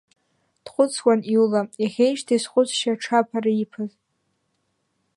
Дхәыцуан Иула, иахеижьҭеи зхәыцшьа ҽаԥара иԥаз.